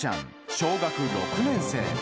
小学６年生。